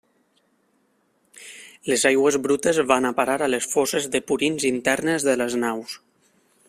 Les aigües brutes van a parar a les fosses de purins internes de les naus.